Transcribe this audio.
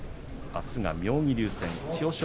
あすが妙義龍戦千代翔